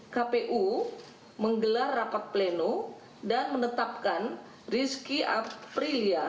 kpu menggelar rapat pleno dan menetapkan rizky aprilia